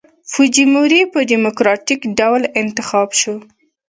فوجیموري په ډیموکراټیک ډول انتخاب شو.